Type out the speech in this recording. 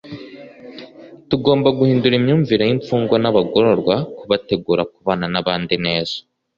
tugomba guhindura imyumvire y imfungwa n abagororwa kubategura kubana nabandi neza